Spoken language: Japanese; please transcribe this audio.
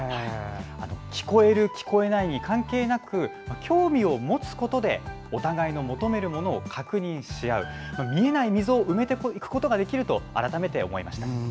聞こえる聞こえないに関係なく興味を持つことでお互いの求めるものを確認し合う見えない溝を埋めていくことができると改めて思いました。